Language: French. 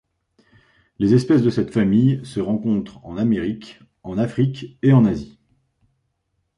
Les espèces de cette famille se rencontrent en Amérique, en Afrique et en Asie.